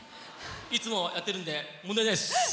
いつもやってるんで問題ないです。